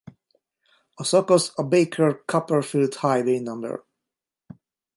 A szakasz a Baker–Copperfield Highway No.